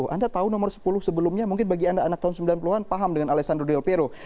anda tahu nomor sepuluh sebelumnya mungkin bagi anda anak tahun sembilan puluh an paham dengan alessandro delpero